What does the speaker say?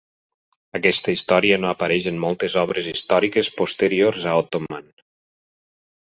Aquesta història no apareix en moltes obres històriques posteriors de Ottoman.